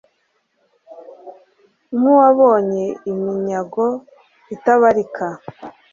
nk'uwabonye iminyago itabarika